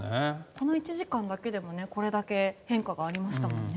この１時間だけでもこれだけ変化がありましたね。